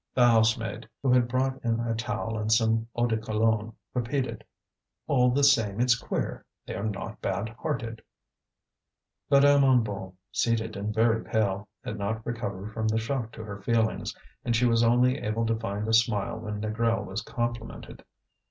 The housemaid, who had brought in a towel and some eau de Cologne, repeated: "All the same it's queer, they're not bad hearted." Madame Hennebeau, seated and very pale, had not recovered from the shock to her feelings; and she was only able to find a smile when Négrel was complimented.